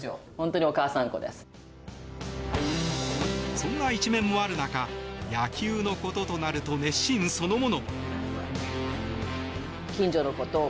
そんな一面もある中野球のこととなると熱心そのもの。